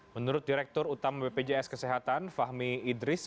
menurut direktur utama bpjs kesehatan fahmi idris